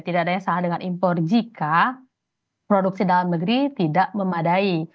tidak ada yang salah dengan impor jika produksi dalam negeri tidak memadai